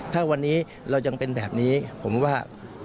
ถ้าวันนี้เรายังเป็นแบบนี้ผมว่า